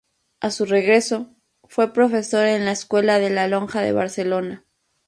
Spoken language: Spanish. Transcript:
A su regreso, fue profesor en la Escuela de la Lonja de Barcelona.